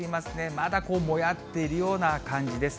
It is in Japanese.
まだこう、もやっているような感じです。